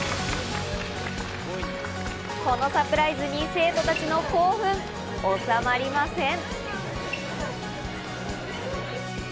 このサプライズに生徒たちの興奮、収まりません。